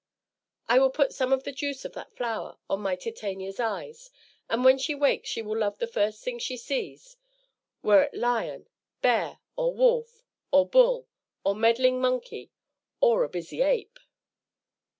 I will put some of the juice of that flower on my Titania's eyes, and when she wakes she will love the first thing she sees, were it lion, bear, or wolf, or bull, or meddling monkey, or a busy ape."